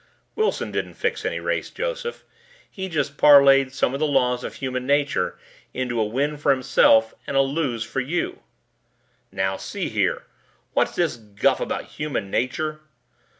"Wilson didn't fix any race, Joseph. He just parlayed some of the laws of human nature into a win for himself and a lose for you." "Now see here what's this guff about human nature?"